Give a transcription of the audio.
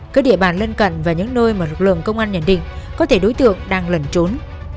các địa bàn lân cận và những nơi mà lực lượng công an nhận định có thể đối tượng đang lẩn trốn